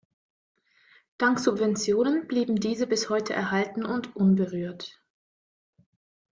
Dank Subventionen blieben diese bis heute erhalten und unberührt.